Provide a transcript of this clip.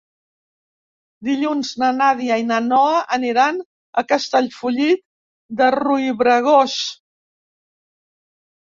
Dilluns na Nàdia i na Noa aniran a Castellfollit de Riubregós.